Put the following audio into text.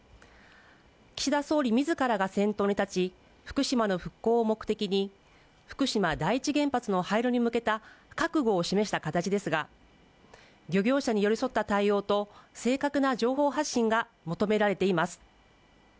岸田総理自らが先頭に立ち福島の復興を目的に福島第一原発の廃炉に向けた覚悟を示した形ですが漁業者に寄り添った対応と正確な情報発信が求められています